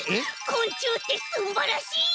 こんちゅうってすんばらしい！